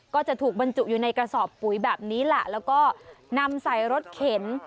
ก็จะถูกบรรจุอยู่ในกระสอบปุ๋ยแบบนี้แหละแล้วก็นำใส่รถเข็น